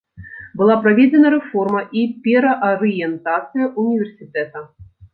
Была праведзена рэформа і пераарыентацыя ўніверсітэта.